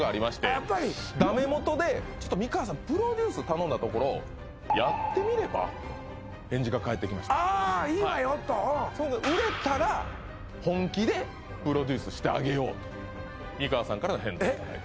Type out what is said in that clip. やっぱりダメもとでちょっと美川さんプロデュース頼んだところ返事が返ってきましたああいいわよとうん売れたら本気でプロデュースしてあげようと美川さんからの返事がえっ？